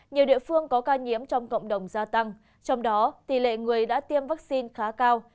nhiều địa phương có ca nhiễm trong cộng đồng gia tăng trong đó tỷ lệ người đã tiêm vaccine khá cao